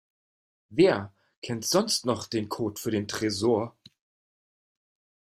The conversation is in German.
Wer kennt sonst noch den Code für den Tresor?